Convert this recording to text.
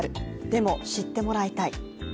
でも、知ってもらいたい。